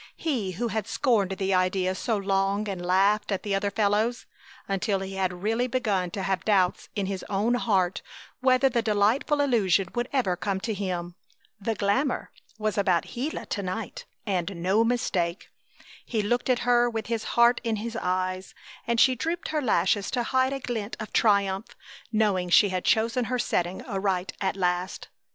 He who had scorned the idea so long and laughed at the other fellows, until he had really begun to have doubts in his own heart whether the delightful illusion would ever come to him! The glamour was about Gila to night and no mistake! He looked at her with his heart in his eyes, and she drooped her lashes to hide a glint of triumph, knowing she had chosen her setting aright at last.